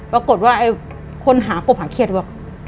ปรากฏว่าคนหากบหาเขียตว่า